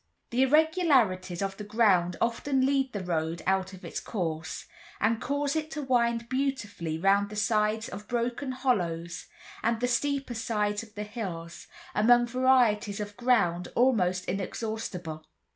The irregularities of the ground often lead the road out of its course, and cause it to wind beautifully round the sides of broken hollows and the steeper sides of the hills, among varieties of ground almost inexhaustible.